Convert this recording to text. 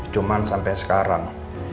cuman sampai sekarang